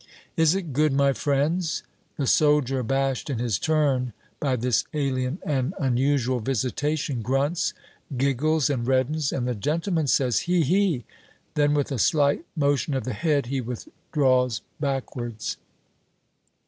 "Is it good, my friends?" The soldier, abashed in his turn by this alien and unusual visitation, grunts, giggles, and reddens, and the gentleman says, "He, he!" Then, with a slight motion of the head, he withdraws backwards.